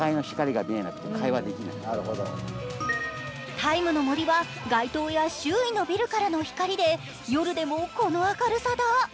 「ＴＩＭＥ，の森」は街灯や周囲のビルからの光で夜でもこの明るさだ。